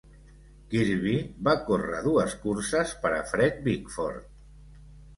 Kirby va córrer dues curses per a Fred Bickford.